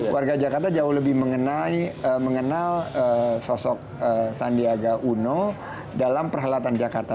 warga jakarta jauh lebih mengenal sosok sandiaga uno dalam perhelatan jakarta